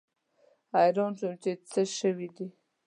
حیران شوم چې څه شوي دي.